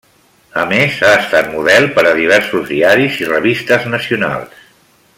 A més, ha estat model per a diversos diaris i revistes nacionals.